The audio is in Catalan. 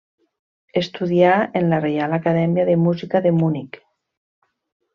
Estudià en la Reial Acadèmia de Música de Munic.